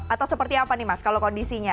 atau seperti apa nih mas kalau kondisinya